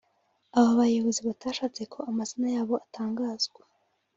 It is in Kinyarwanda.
Aba bayobozi batashatse ko amazina yabo atangazwa